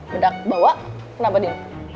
bedak bawa kenapa di